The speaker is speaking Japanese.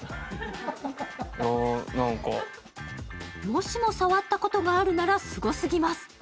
もしも触ったことがあるならすごすぎます。